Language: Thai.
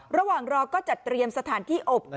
ระหว่างรอก็จัดเตรียมสถานที่อบ